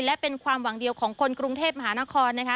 และเป็นความหวังเดียวของคนกรุงเทพมหานครนะคะ